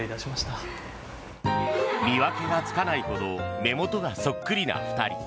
見分けがつかないほど目元がそっくりな２人。